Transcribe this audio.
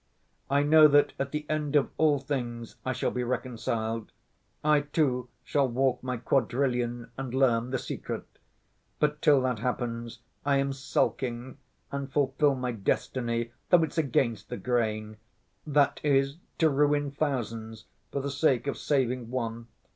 I know that at the end of all things I shall be reconciled. I, too, shall walk my quadrillion and learn the secret. But till that happens I am sulking and fulfill my destiny though it's against the grain—that is, to ruin thousands for the sake of saving one.